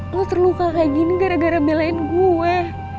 lo terluka kayak gini gara gara belain gue